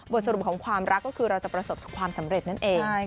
สรุปของความรักก็คือเราจะประสบความสำเร็จนั่นเอง